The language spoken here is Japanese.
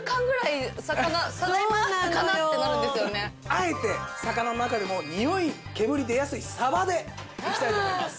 あえて魚の中でもにおい煙出やすいサバでいきたいと思います。